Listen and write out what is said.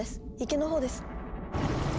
池のほうです。